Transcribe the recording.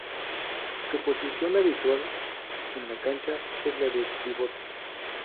Su posición habitual en la cancha es la de pívot.